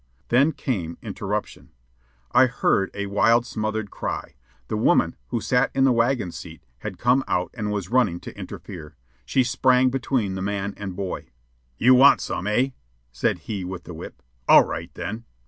Then came interruption. I heard a wild smothered cry. The woman who sat in the wagon seat had got out and was running to interfere. She sprang between the man and boy. "You want some, eh?" said he with the whip. "All right, then."